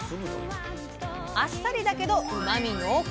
あっさりだけどうまみ濃厚！